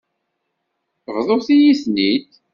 Bḍut-iyi-ten-id.